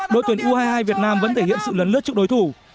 đội tuyển u hai mươi hai việt nam vẫn thể hiện sự lớn lớt trước đối thủ